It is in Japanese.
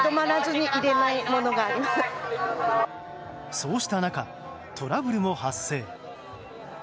そうした中、トラブルも発生。